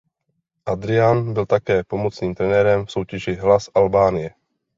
Adrian byl také pomocným trenérem v soutěži Hlas Albánie.